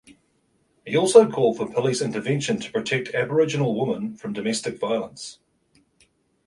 He also called for police intervention to protect Aboriginal woman from domestic violence.